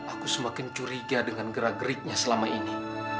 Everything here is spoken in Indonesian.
aku semakin curiga dengan gerak geriknya selama ini